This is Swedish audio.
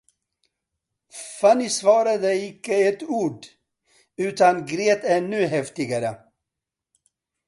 Fanny svarade icke ett ord, utan grät ännu häftigare.